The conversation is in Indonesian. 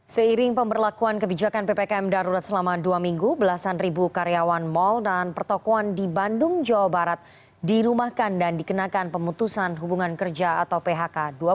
seiring pemberlakuan kebijakan ppkm darurat selama dua minggu belasan ribu karyawan mal dan pertokohan di bandung jawa barat dirumahkan dan dikenakan pemutusan hubungan kerja atau phk